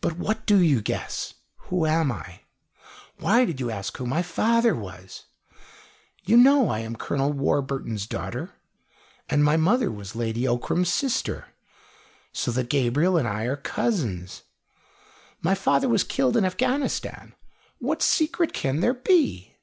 "But what do you guess? Who am I? Why did you ask who my father was? You know I am Colonel Warburton's daughter, and my mother was Lady Ockram's sister, so that Gabriel and I are cousins. My father was killed in Afghanistan. What secret can there be?"